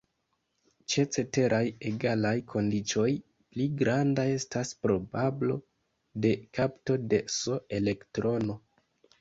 Ĉe ceteraj egalaj kondiĉoj, pli granda estas probablo de kapto de "s"-elektrono.